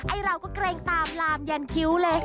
ไอ้เราก็เกรงตามลามยันเค้าเลย